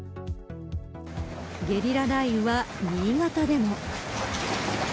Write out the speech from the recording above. ゲリラ雷雨は新潟でも。